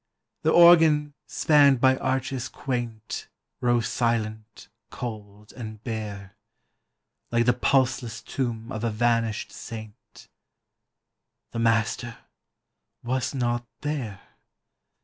The organ, spanned by arches quaint. Rose silent, cold, and bare, Like the pulseless tomb of a vanished saint :— The Master was not there